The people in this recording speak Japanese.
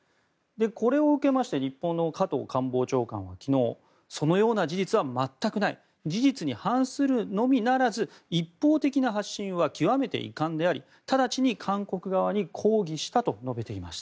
これを受けまして日本の加藤官房長官は昨日そのような事実は全くない事実に反するのみならず一方的な発信は極めて遺憾であり直ちに韓国側に抗議したと述べています。